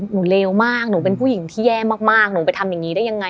เลวมากหนูเป็นผู้หญิงที่แย่มากหนูไปทำอย่างนี้ได้ยังไง